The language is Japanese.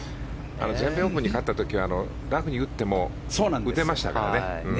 全米オープンに勝った時はラフに打っても打てましたからね。